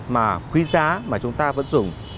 mà quý giá mà chúng ta vẫn dùng